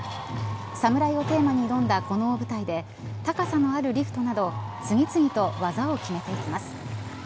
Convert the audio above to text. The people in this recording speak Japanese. サムライをテーマに挑んだこの大舞台で高さのあるリフトなど次々と技を決めていきます。